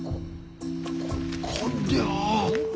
ここりゃあ。